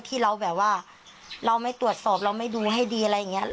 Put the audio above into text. ที่เราแบบว่าเราไม่ตรวจสอบเราไม่ดูให้ดีอะไรอย่างนี้